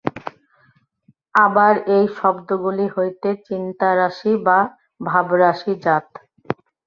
আবার এই শব্দগুলি হইতে চিন্তারাশি বা ভাবরাশি জাত।